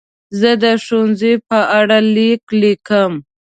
زه د ښوونځي په اړه لیک لیکم.